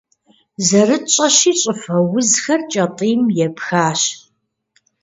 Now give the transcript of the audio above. Зэрытщӏэщи, щӏыфэ узхэр кӏэтӏийм епхащ.